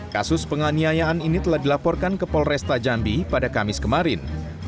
kasus penganiayaan ini telah dilaporkan ke polresta jambi pada kamis kemarin